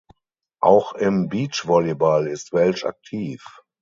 Auch im Beachvolleyball ist Welsch aktiv.